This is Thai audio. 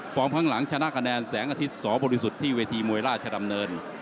ข้างหลังชนะคะแนนแสงอาทิตย์สบริสุทธิ์ที่เวทีมวยราชดำเนิน